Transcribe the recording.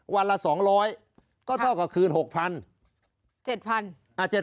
วันละ๒๐๐ก็เท่ากับคืน๖๐๐๐บาท